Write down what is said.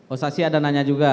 oh saksi ada nanya juga